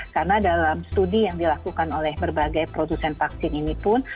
karena dalam studi yang dilakukan oleh berbagai produsen vaksin ini pun